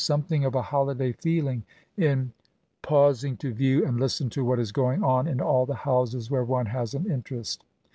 87 something of a holiday feeling in pausing to view and listen to what is going on in all the houses where one has an interest.